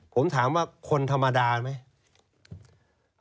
ผมถามว่าคนธรรมดาไหม